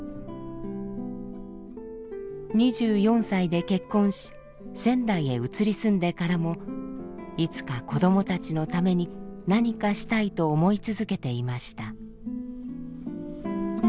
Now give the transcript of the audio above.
２４歳で結婚し仙台へ移り住んでからも「いつか子どもたちのために何かしたい」と思い続けていました。